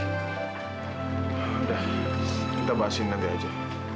sudah kita bahas ini nanti aja